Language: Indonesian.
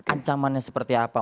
ancamannya seperti apa